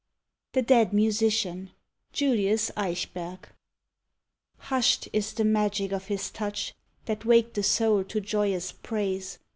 THE DEAD MUSICIAN (JULIUS EICHBERG) Hushed is the magic of his touch That waked the soul to joyous praise!